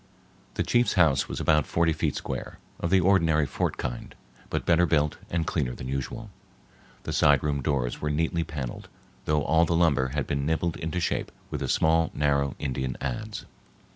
The chief's house was about forty feet square, of the ordinary fort kind, but better built and cleaner than usual. The side room doors were neatly paneled, though all the lumber had been nibbled into shape with a small narrow Indian adze.